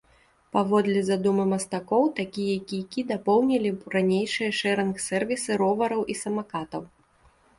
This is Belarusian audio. Паводле задумы мастакоў, такія кійкі дапоўнілі б ранейшыя шэрынг-сэрвісы ровараў і самакатаў.